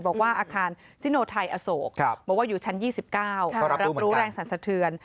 บอกว่าอาคารซิโนไทยอโศกบอกว่าอยู่ชั้น๒๙รับรู้แรงสรรสะเทือน